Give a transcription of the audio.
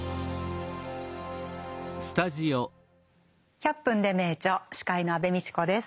「１００分ｄｅ名著」司会の安部みちこです。